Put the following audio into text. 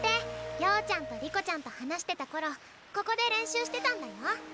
曜ちゃんと梨子ちゃんと話してた頃ここで練習してたんだよ。